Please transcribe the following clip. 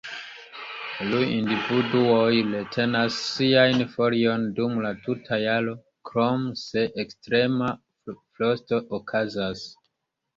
Iuj individuoj retenas siajn foliojn dum la tuta jaro, krom se ekstrema frosto okazas.